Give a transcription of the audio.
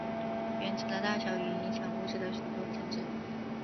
原子的大小与影响物质的许多性质。